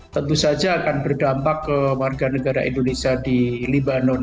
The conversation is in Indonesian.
tentu saja akan berdampak ke warga negara indonesia di libanon